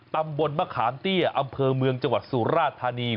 ตำบลมะขามเตี้ยอำเภอเมืองจังหวัดสุราธานี